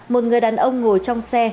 một người đàn ông ngồi trong xe